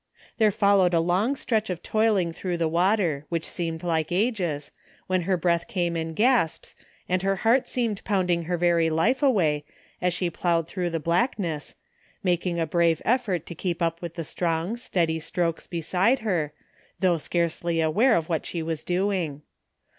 There followed a long stretch of toiling through the water, which seemed like ages, when her breath came in gasps, and her heart seemed pounding her very life away as she ploughed through the blackness, mak ing a brave effort to keep up with the strong, steady strokes beside her, though scarcely aware of what she was doing.